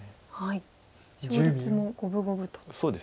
勝率も五分五分と。